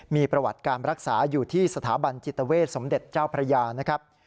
มีประวัติการรักษาอยู่ที่สถาบันจิตเวทสมเด็จเจ้าพระยานะครับ